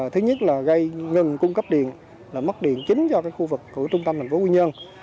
thứ nhất là gây ngừng cung cấp điện mất điện chính cho khu vực của trung tâm tp quy nhơn